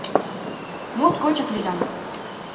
— Моткочак лӱдам.